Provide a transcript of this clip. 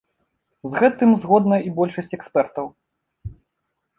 З гэтым згодна і большасць экспертаў.